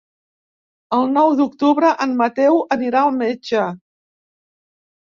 El nou d'octubre en Mateu anirà al metge.